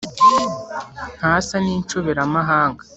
ntasa n’inshoberamahanga